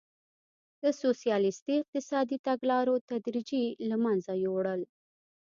د سوسیالیستي اقتصادي تګلارو تدریجي له منځه وړل وو.